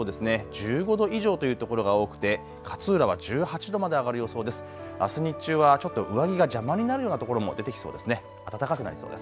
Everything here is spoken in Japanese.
１５度以上という所が多くて勝浦は１８度まで上がる予想です。